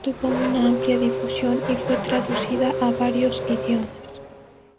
Tuvo una amplia difusión y fue traducida a varios idiomas.